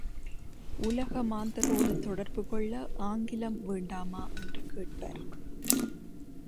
உலக மாந்தரொடு தொடர்பு கொள்ள ஆங்கிலம் வேண்டாமா என்று கேட்பர்.